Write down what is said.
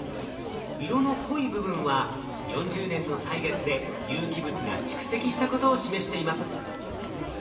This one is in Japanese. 色の濃い部分は４０年の歳月で有機物が蓄積したことを示しています。